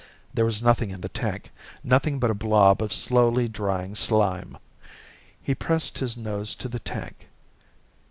There was nothing in the tank, nothing but a blob of slowly drying slime. He pressed his nose to the tank.